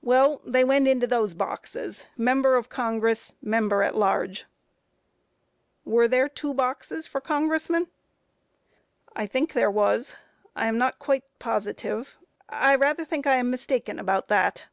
A. Well, they went into those boxes; Member of Congress, Member at Large. Q. Were there two boxes for Congressmen? A. I think there was; I am not quite positive; I rather think I am mistaken about that.